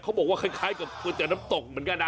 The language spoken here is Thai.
เขาบอกว่าคล้ายกับหุ่ยเจ๋อน้ำตกเหมือนกันนะ